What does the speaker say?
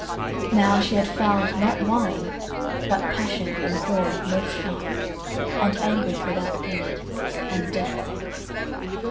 Now she had found not wine — but Passion and Joy most sharp, and Anguish without end, and Death.